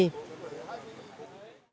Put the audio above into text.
chào các bạn